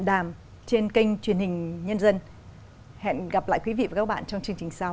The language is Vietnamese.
đàm trên kênh truyền hình nhân dân hẹn gặp lại quý vị và các bạn trong chương trình sau